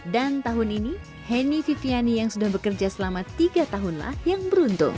dan tahun ini henny viviani yang sudah bekerja selama tiga tahun lah yang beruntung